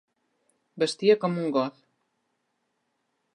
Vestia com un Goth.